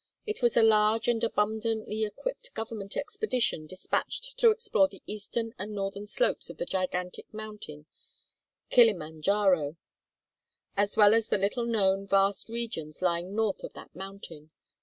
It was a large and abundantly equipped government expedition despatched to explore the eastern and northern slopes of the gigantic mountain Kilima Njaro, as well as the little known vast regions lying north of that mountain.